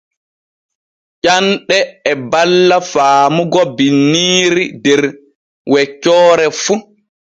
Ƴanɗe e balla faamugo binniiri der weccoore fu.